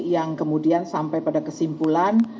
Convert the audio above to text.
yang kemudian sampai pada kesimpulan